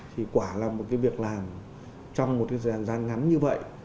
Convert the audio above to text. thì quả là một việc làm trong một thời gian ngắn như vậy